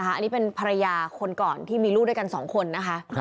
อันนี้เป็นภรรยาคนก่อนที่มีลูกด้วยกัน๒คนนะคะ